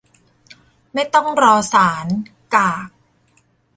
ไม่ต้องรอศาล กาก